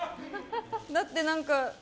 だって何か。